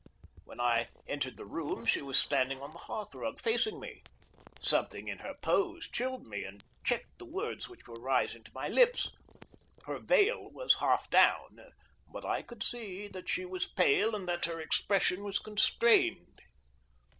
When I entered the room, she was standing on the hearth rug facing me. Something in her pose chilled me and checked the words which were rising to my lips. Her veil was half down, but I could see that she was pale and that her expression was constrained.